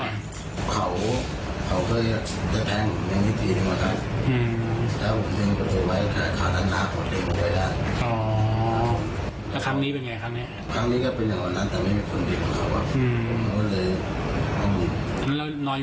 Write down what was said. ๔๕นัดเข้าหมดการเลย